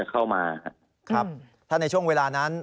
ครับถ้าในช่วงเวลานั้น